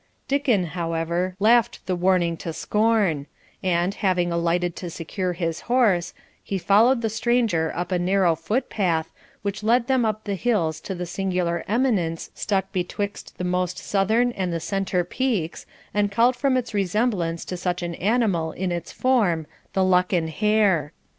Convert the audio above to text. Dicken, however, laughed the warning to scorn, and, having alighted to secure his horse, he followed the stranger up a narrow foot path, which led them up the hills to the singular eminence stuck betwixt the most southern and the centre peaks, and called from its resemblance to such an animal in its form the Lucken Hare.